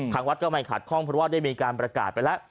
วัดก็ไม่ขัดข้องเพราะว่าได้มีการประกาศไปแล้ว